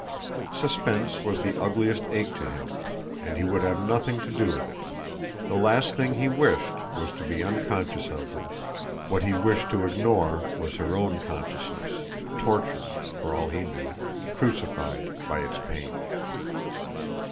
Suspense was the ugliest ache to him, and he would have nothing to do with it; the last thing he wished was to be unconscious of her what he wished to ignore was her own consciousness, tortured, for all he knew, crucified by its pain.